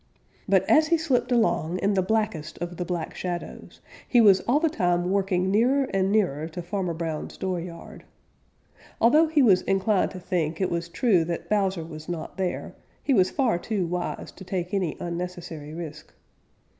But as he slipped along in the blackest of the Black Shadows, he was all the time working nearer and nearer to Farmer Brown's dooryard. Although he was inclined to think it was true that Bowser was not there, he was far too wise to take any unnecessary risk.